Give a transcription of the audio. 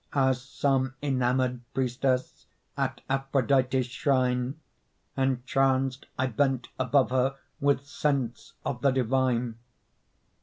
As some enamored priestess At Aphrodite's shrine, Entranced I bent above her With sense of the divine.